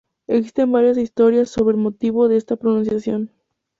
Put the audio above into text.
Existen varias historias sobre el motivo de esta pronunciación.